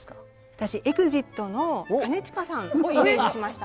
私ＥＸＩＴの兼近さんをイメージしました。